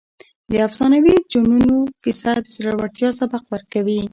د افسانوي جنونو کیسه د زړورتیا سبق ورکوي.